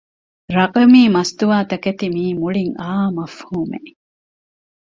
ރަޤަމީ މަސްތުވާ ތަކެތި މިއީ މުޅިން އައު މަފްހޫމެއް